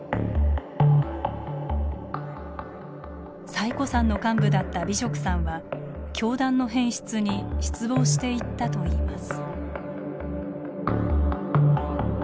最古参の幹部だった美植さんは教団の変質に失望していったといいます。